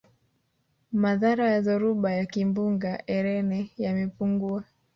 madhara ya dhoruba ya kimbunga elene yamepungua